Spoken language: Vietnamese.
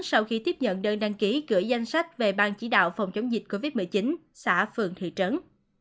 sau khi tiếp nhận đơn đăng ký gửi danh sách về bang chỉ đạo phòng chống dịch covid một mươi chín xã phường thị trấn